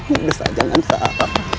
enggak sal jangan sal